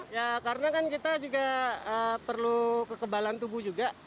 ya karena kan kita juga perlu kekebalan tubuh juga